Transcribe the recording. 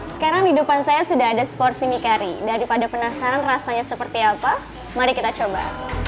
sekarang di depan saya sudah ada seporsi mie kari daripada penasaran rasanya seperti apa mari kita coba